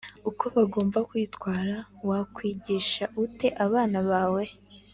uko bagomba kwitwara Wakwigisha ute abana bawe